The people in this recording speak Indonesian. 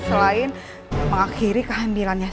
selain mengakhiri kehamilannya